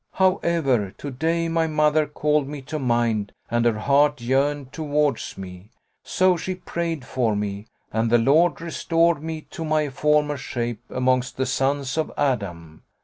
However, to day, my mother called me to mind and her heart yearned towards me; so she prayed for me and the Lord restored me to my former shape amongst the sons of Adam."